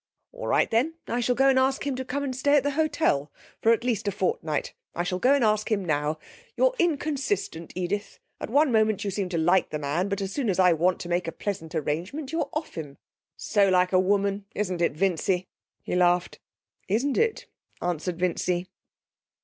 'All right, then. I shall go and ask him to come and stay at the hotel, for at least a fortnight. I shall go and ask him now. You're inconsistent, Edith. At one moment you seem to like the man, but as soon as I want to make a pleasant arrangement you're off it. So like a woman, isn't it, Vincy?' He laughed. 'Isn't it?' answered Vincy.